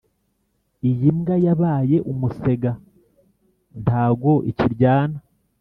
Iyimbwa yabaye umusega ntago ikiryana